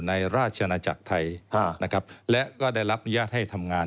ราชนาจักรไทยนะครับและก็ได้รับอนุญาตให้ทำงาน